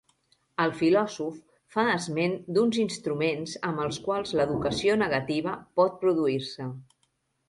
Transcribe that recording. El filòsof fa esment d’uns instruments amb els quals l’educació negativa pot produir-se.